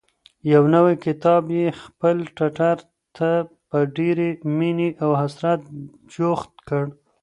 یو نوی کتاب یې خپل ټټر ته په ډېرې مینې او حسرت جوخت کړ.